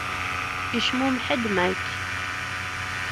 Yecmumeḥ-d Mike.